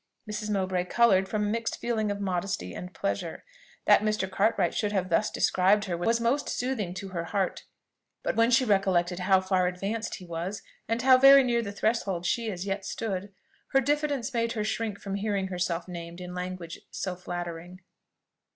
Mrs. Mowbray coloured from a mixed feeling of modesty and pleasure. That Mr. Cartwright should have thus described her, was most soothing to her heart; but when she recollected how far advanced he was, and how very near the threshold she as yet stood, her diffidence made her shrink from hearing herself named in language so flattering.